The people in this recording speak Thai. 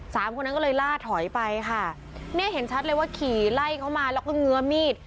สามคนนั้นก็เลยล่าถอยไปค่ะเนี่ยเห็นชัดเลยว่าขี่ไล่เขามาแล้วก็เงื้อมีด